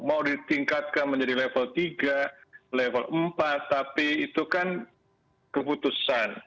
mau ditingkatkan menjadi level tiga level empat tapi itu kan keputusan